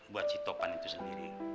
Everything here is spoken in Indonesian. buat si topan itu sendiri